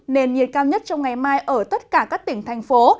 nền nhiệt cao nhất trong ngày mai ở tất cả các tỉnh thành phố